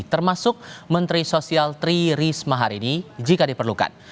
termasuk menteri sosial tri risma hari ini jika diperlukan